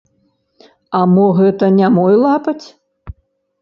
А мо гэта не мой лапаць?